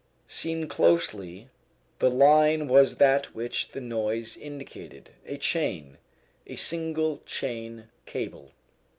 Seen closely the line was that which the noise indicated, a chain a single chain cable.